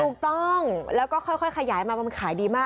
ถูกต้องแล้วก็ค่อยขยายมาว่ามันขายดีมาก